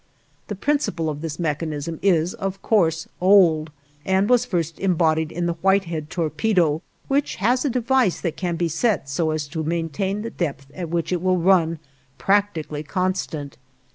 The principle of this mechanism is, of course, old, and was first embodied in the Whitehead torpedo, which has a device that can be set so as to maintain the depth at which it will run practically constant.